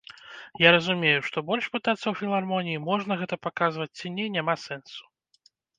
Я разумею, што больш пытацца ў філармоніі, можна гэта паказваць ці не, няма сэнсу.